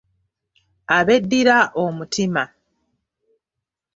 Abeddira omutima.